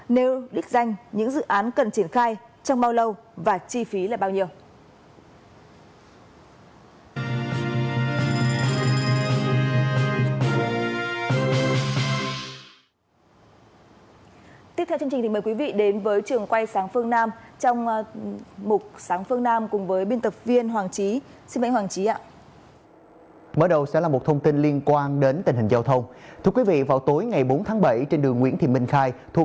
nếu đích danh những dự án cần triển khai trong bao lâu và chi phí là bao nhiêu